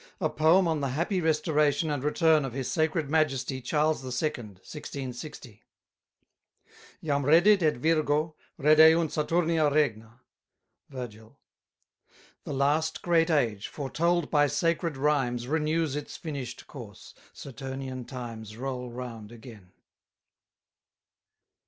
A POEM ON THE HAPPY RESTORATION AND RETURN OF HIS SACRED MAJESTY CHARLES II., 1660. "Jam redit et virgo, redeunt Saturnia regna." VIRG. "The last great age, foretold by sacred rhymes, Renews its finish'd course; Saturnian times Roll round again."